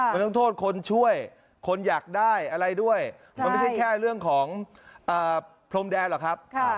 มันต้องโทษคนช่วยคนอยากได้อะไรด้วยมันไม่ใช่แค่เรื่องของพรมแดนหรอกครับ